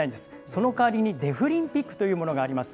そのかわりにデフリンピックというものがあります。